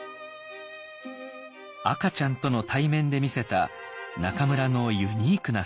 赤ちゃんとの対面で見せた中村のユニークな姿。